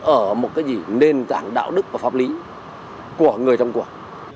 ở một cái gì nên trạng đạo đức và pháp lý của người trong cuộc